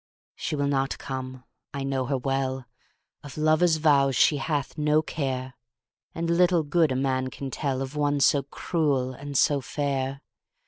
She will not come, I know her well, Of lover's vows she hath no care, And little good a man can tellOf one so cruel and so fair.